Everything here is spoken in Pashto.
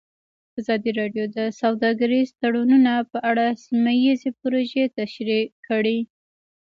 ازادي راډیو د سوداګریز تړونونه په اړه سیمه ییزې پروژې تشریح کړې.